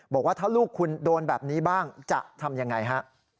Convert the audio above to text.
บอกว่าถ้าลูกคุณโดนแบบนี้บ้างจะทำยังไงฮะ